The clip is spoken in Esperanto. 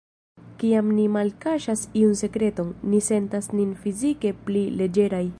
Kiam ni malkaŝas iun sekreton, ni sentas nin fizike pli leĝeraj.